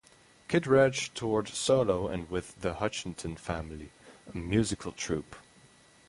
Kittredge toured solo and with the Hutchinson Family, a musical troupe.